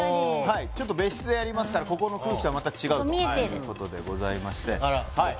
ちょっと別室でやりますからここの空気とはまた違うとここ見えてるいうことでございましてあらっ